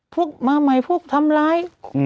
พวกมาใหม่พวกทำร้าย